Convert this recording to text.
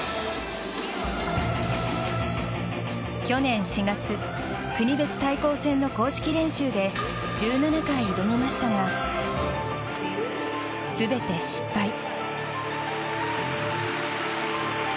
去年４月国別対抗戦の公式練習で１７回挑みましたが全て失敗。